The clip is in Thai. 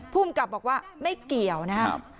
ภูมิกับบอกว่าไม่เกี่ยวนะครับ